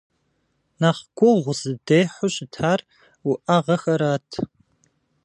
Нэхъ гугъу зыдехьу щытар уӏэгъэхэрат.